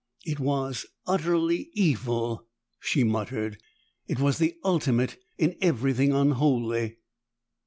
"It was utterly evil!" she muttered. "It was the ultimate in everything unholy."